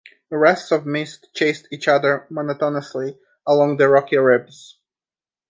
Wreaths of mist chased each other monotonously along the rocky ribs.